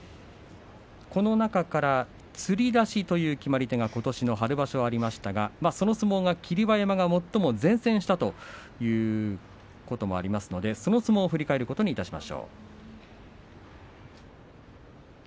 この中からつり出しという決まり手がことしの春場所にありましたがその相撲が、霧馬山が最も善戦したということもありますのでその相撲を振り返ります。